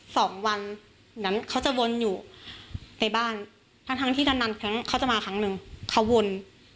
สองวันเหมือนเขาจะวนอยู่ในบ้านทั้งทั้งที่นานนานครั้งเขาจะมาครั้งหนึ่งเขาวน